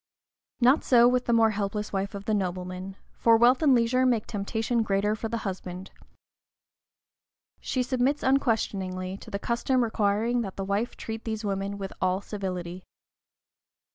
Not so with the more helpless wife of the nobleman, for wealth and leisure make temptation greater for the husband. She submits unquestioningly to the custom requiring that the wife treat these women with all civility.